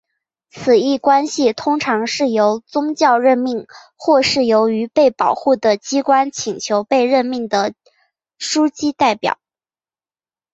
此一关系通常是由教宗任命或是由于被保护的机关请求被任命的枢机的代表。